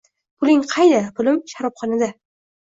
“Puling qayda?” – “Pulim sharobxonada”